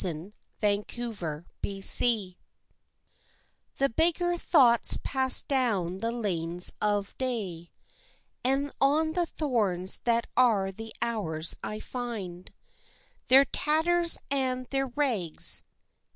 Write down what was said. XXX Disguised The beggar thoughts pass down the lanes of day, And on the thorns that are the hours I find Their tatters and their rags.